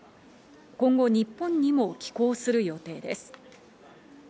今後日本にも寄港する予定です。